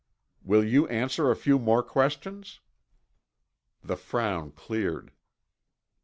Will you answer a few more questions?" The frown cleared.